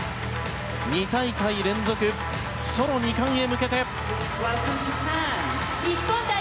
２大会連続ソロ２冠へ向けて。